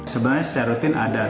sebenarnya serutin ada